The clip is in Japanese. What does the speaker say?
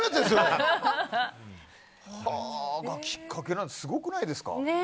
それがきっかけってすごくないですか。